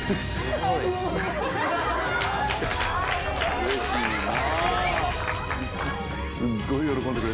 うれしいねんな。